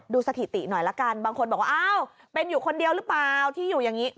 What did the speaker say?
สถิติหน่อยละกันบางคนบอกว่าอ้าวเป็นอยู่คนเดียวหรือเปล่าที่อยู่อย่างนี้